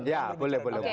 ya boleh boleh boleh